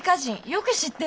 よく知ってるね。